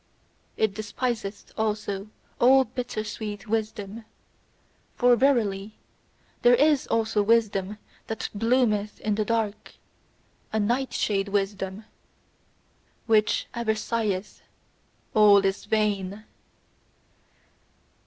It despiseth also all bitter sweet wisdom: for verily, there is also wisdom that bloometh in the dark, a night shade wisdom, which ever sigheth: "All is vain!"